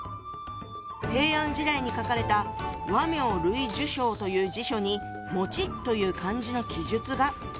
平安時代に書かれた「倭名類聚抄」という辞書に「」という漢字の記述が。